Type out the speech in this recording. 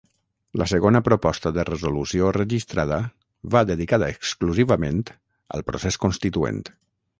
La segona proposta de resolució registrada va dedicada exclusivament al procés constituent.